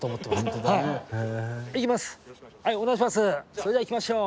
それでは行きましょう。